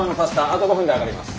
あと５分で上がります。